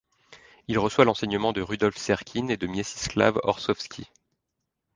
Il reçoit l'enseignement de Rudolf Serkin et de Mieczysław Horszowski.